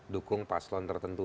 dukung paslon tertentu